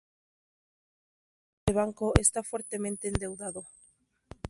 Sin embargo, luego se conoció que ese banco está fuertemente endeudado.